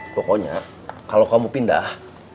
pokoknya kalau kamu pindah